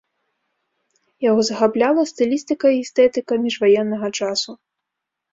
Яго захапляла стылістыка і эстэтыка міжваеннага часу.